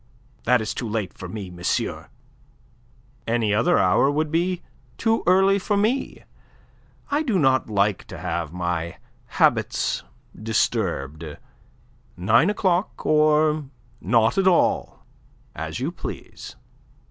"That is too late for me, monsieur." "Any other hour would be too early for me. I do not like to have my habits disturbed. Nine o'clock or not at all, as you please."